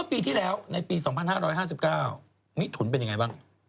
ปีที่แล้วในปี๒๕๕๙มิถุนเป็นยังไงบ้าง